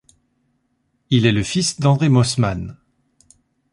Il est le fils d'André Moosmann.